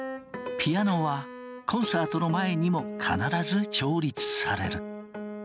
ピアノはコンサートの前にも必ず調律される。